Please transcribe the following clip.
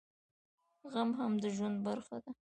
غم هم د ژوند برخه ده